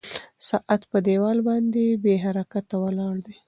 ساعت په دیوال باندې بې حرکته ولاړ دی.